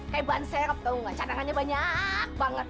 kayak bahan serep tau nggak cadangannya banyak banget